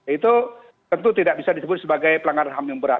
itu tentu tidak bisa disebut sebagai pelanggaran ham yang berat